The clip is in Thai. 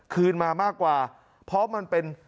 คืนมามากกว่าเพราะมันเป็น